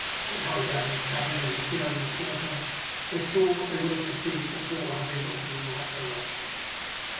They hurried out of the cabin, and, looking over the quarter, they saw what they would have perceived before had they looked in the right direction.